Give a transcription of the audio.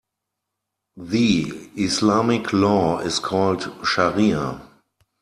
The Islamic law is called shariah.